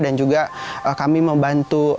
dan juga kami membantu